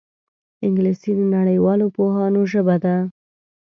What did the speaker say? انګلیسي د نړیوالو پوهانو ژبه ده